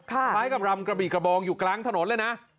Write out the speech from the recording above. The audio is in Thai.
คล้ายกับรำกระบี่กระบองอยู่กลางถนนเลยนะ